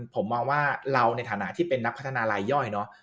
ผมมองว่าเราในฐานะที่เป็นนักพัฒนาลายย่อยเนาะ